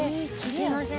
すいません。